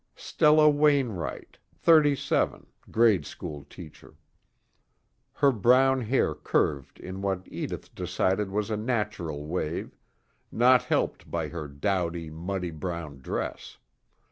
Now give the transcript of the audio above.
Stella Wainwright, thirty seven, grade school teacher. Her brown hair curved in what Edith decided was a natural wave, not helped by her dowdy muddy brown dress.